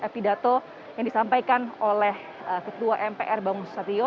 pidato yang disampaikan oleh ketua mpr bangun susatyo